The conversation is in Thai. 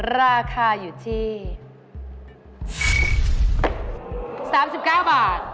ราคาอยู่ที่๓๙บาท